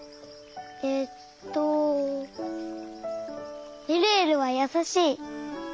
えっとえるえるはやさしい。